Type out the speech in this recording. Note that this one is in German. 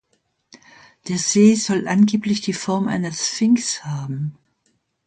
Der See soll angeblich die Form einer Sphinx haben.